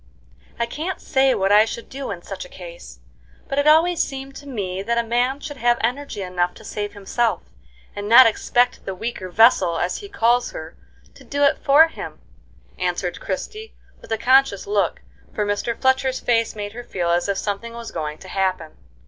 "I can't say what I should do in such a case; but it always seemed to me that a man should have energy enough to save himself, and not expect the 'weaker vessel,' as he calls her, to do it for him," answered Christie, with a conscious look, for Mr. Fletcher's face made her feel as if something was going to happen.